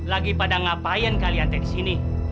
lagi pada ngapain kalian teh disini